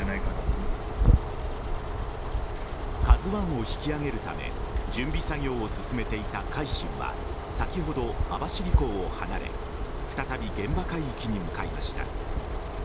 「ＫＡＺＵ１」を引き揚げるため準備作業を進めていた「海進」は先ほど、網走港を離れ再び現場海域に向かいました。